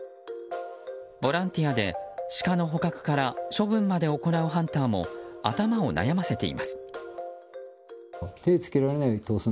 ボランティアでシカの捕獲から処分まで行うハンターも頭を悩ませています。